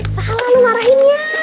salah lu marahinnya